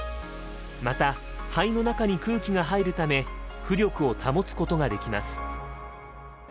また肺の中に空気が入るため浮力を保つことができます。